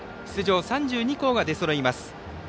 出場３２校が出そろいます。